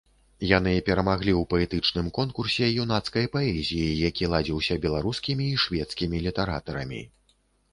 Яны перамаглі ў паэтычным конкурсе юнацкай паэзіі, які ладзіўся беларускімі і шведскімі літаратарамі.